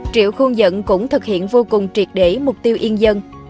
triệu khuôn dẫn cũng thực hiện vô cùng triệt để mục tiêu yên dân